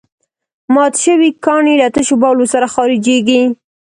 مات شوي کاڼي له تشو بولو سره خارجېږي.